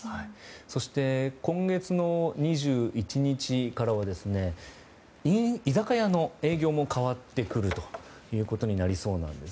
そして今月の２１日からは居酒屋の営業も変わってくるということになりそうなんです。